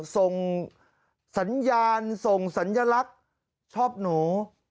ส่งสัญญาณส่งสัญลักษณ์ชอบหนู